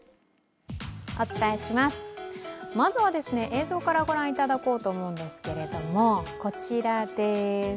お伝えします、まずは映像から御覧いただこうと思うんですが、こちらです。